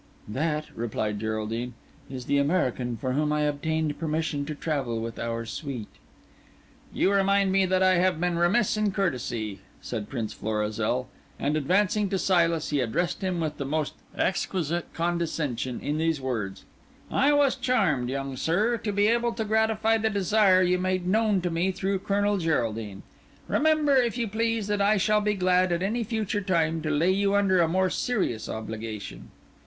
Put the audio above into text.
"That," replied Geraldine, "is the American for whom I obtained permission to travel with your suite." "You remind me that I have been remiss in courtesy," said Prince Florizel, and advancing to Silas, he addressed him with the most exquisite condescension in these words:—"I was charmed, young sir, to be able to gratify the desire you made known to me through Colonel Geraldine. Remember, if you please, that I shall be glad at any future time to lay you under a more serious obligation."